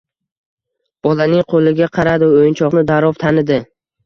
Bolaning qo`liga qaradi o`yinchoqni darrov tanidi